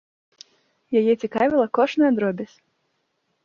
Яе цікавіла кожная дробязь.